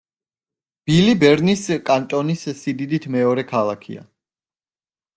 ბილი ბერნის კანტონის სიდიდით მეორე ქალაქია.